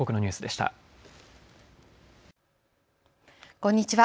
こんにちは。